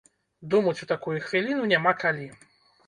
Думаць у такую хвіліну няма калі.